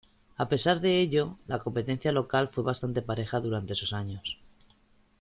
A pesar de ello, la competencia local fue bastante pareja durante esos años.